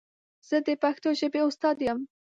زه د پښتو ژبې استاد یم.